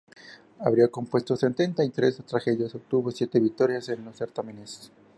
Habría compuesto setenta y tres tragedias y obtuvo siete victorias en los certámenes.